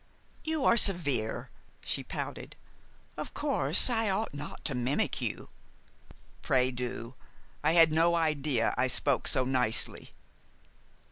"You are severe," she pouted. "Of course I ought not to mimic you " "Pray do. I had no idea I spoke so nicely."